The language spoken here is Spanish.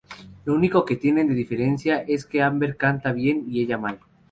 Lo único que tienen de diferencia es que Amber canta bien, y ella mal.